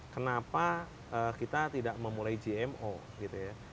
kenapa kita tidak memulai gmo gitu ya